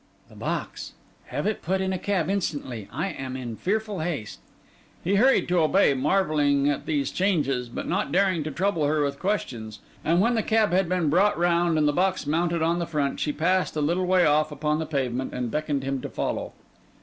'The box. Have it put on a cab instantly. I am in fearful haste.' He hurried to obey, marvelling at these changes, but not daring to trouble her with questions; and when the cab had been brought round, and the box mounted on the front, she passed a little way off upon the pavement and beckoned him to follow.